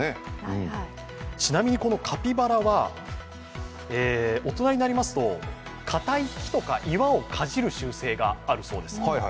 ちなみにこのカピバラは大人になりますとかたい木とか、岩をかじる習性があるそうです。